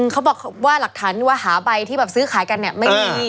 เขาบอกว่าหาใบซื้อขายกันนี่ไม่มี